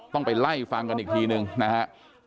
ต้องไปไล่ฟังกันอีกทีนึงนะฮะ